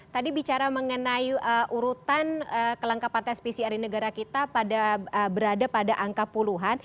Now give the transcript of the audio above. tadi bicara mengenai urutan kelengkapan tes pcr di negara kita berada pada angka puluhan